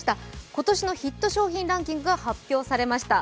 今年のヒット商品ランキングが発表されました。